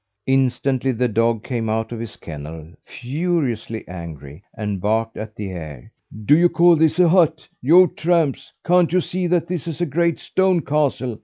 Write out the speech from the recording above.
Instantly the dog came out of his kennel furiously angry and barked at the air. "Do you call this a hut, you tramps! Can't you see that this is a great stone castle?